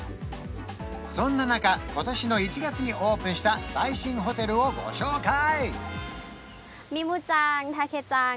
そんな中今年の１月にオープンした最新ホテルをご紹介！